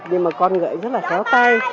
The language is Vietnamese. nhưng mà con gậy rất là khéo tay